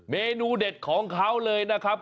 เมนูเด็ดของเขาเลยนะครับ